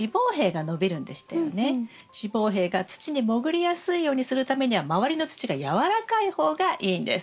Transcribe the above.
子房柄が土にもぐりやすいようにするためには周りの土が軟らかい方がいいんです。